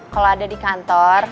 kalau ada di kantor